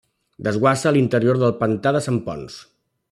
Desguassa a l'interior del Pantà de Sant Ponç.